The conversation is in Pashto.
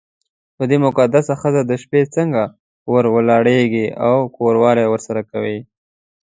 پر دې مقدسه ښځه د شپې څنګه ور ولاړېږې او کوروالی ورسره کوې.